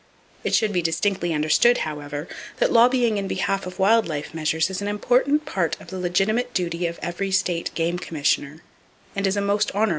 It should be distinctly understood, however, that lobbying in behalf of wild life measures is an important part of the legitimate duty of every state game commissioner, and is a most honorable calling.